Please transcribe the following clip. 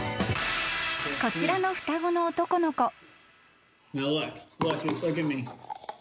［こちらの双子の男の子］